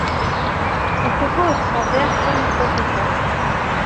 On te voit au travers comme dans du papier calque.